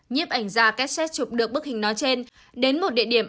nhếp ảnh ra kesset chụp được bức hình nó trên đến một địa điểm